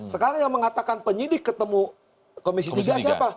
sekarang yang mengatakan penyidik ketemu komisi tiga siapa